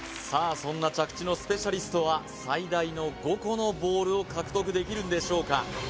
そんな着地のスペシャリストは最大の５個のボールを獲得できるんでしょうか？